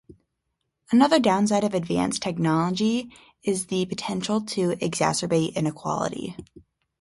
Another downside of advanced technology is its potential to exacerbate inequality.